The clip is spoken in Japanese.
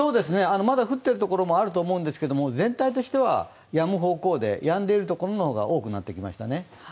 まだ降っているところもあると思うんですけれども、全体としてはやむ方向で、やんでいるところの方が多くなってきましたね。